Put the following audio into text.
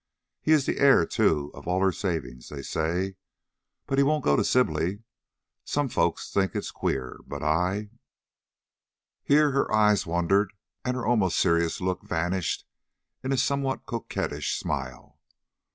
He is the heir, too, of all her savings, they say; but he won't go to Sibley. Some folks think it is queer, but I " Here her eyes wandered and her almost serious look vanished in a somewhat coquettish smile.